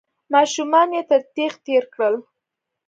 ماشومان يې تر تېغ تېر کړل.